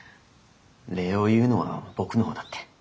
礼を言うのは僕の方だって。